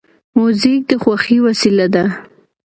موزیک د خوښۍ وسیله ده.